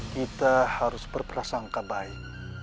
kita harus berperasangka baik